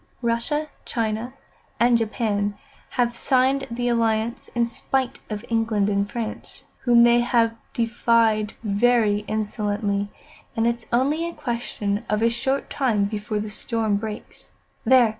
"Russia China, and Japan have signed the alliance, in spite of England and France, whom they have defied very insolently, and it's only a question of a short time before the storm breaks. There!